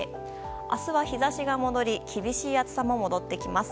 明日は日差しが戻り厳しい暑さも戻ってきます。